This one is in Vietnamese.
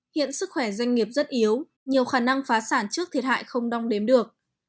hiện sức khỏe doanh nghiệp rất yếu nhiều khả năng phá sản trước thiệt hại không đong đếm được